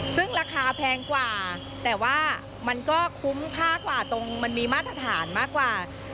ซึ่งราคาแพงกว่าแต่ว่ามันก็คุ้มค่ากว่าตรงมันมีมาตรฐานมากกว่า